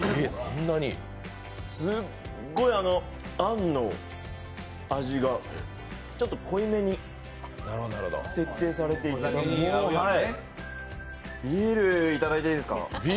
すっごい、あんの味がちょっと濃いめに設定されていてビール、いただいていいですか？